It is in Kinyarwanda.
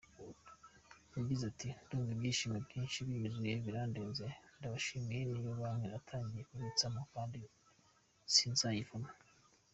Yagize ati “Ndumva ibyishimo byinshi binyuzuye, birandenze ndabashimiye, niyo banki natangiye kubitsamo, kandi sinzayivamo.